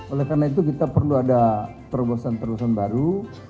oleh karena itu kita perlu ada perbosan perbosan baru